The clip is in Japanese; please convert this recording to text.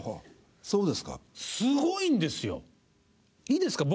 すごいんですよ！